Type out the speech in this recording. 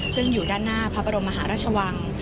ซึ่งอยู่ด้านหน้าพระบรมมหาราชวัง